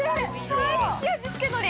大好き、味付けノリ！